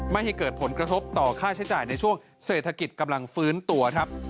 ไม่ให้เกิดผลกระทบต่อค่าใช้จ่ายในช่วงเศรษฐกิจกำลังฟื้นตัวครับ